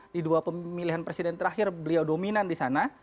di dua pemilihan presiden terakhir beliau dominan di sana